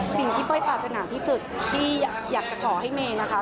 สิ่งที่ป้อยปราธนาที่สุดที่อยากจะขอให้เมย์นะคะ